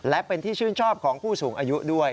และเป็นที่ชื่นชอบของผู้สูงอายุด้วย